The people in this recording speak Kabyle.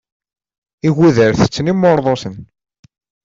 Igudar tetten imurḍusen.